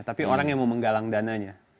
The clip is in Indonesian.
tapi orang yang mau menggalang dananya